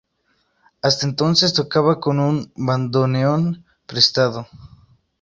Hasta entonces tocaba con un bandoneón prestado.